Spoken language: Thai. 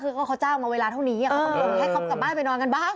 ก็เขาจ้างมาเวลาเท่านี้ให้การประบบบ้านไปนอนกันบ้าง